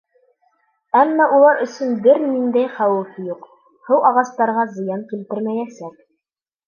Әммә улар өсөн бер ниндәй хәүеф юҡ, һыу ағастарға зыян килтермәйәсәк.